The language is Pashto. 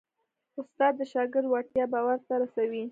استاد د شاګرد وړتیا باور ته رسوي.